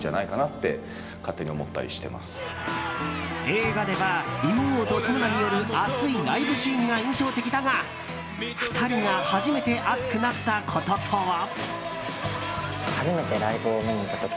映画では犬王と友魚による熱いライブシーンが印象的だが２人が初めて熱くなったこととは？